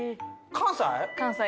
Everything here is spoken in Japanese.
関西？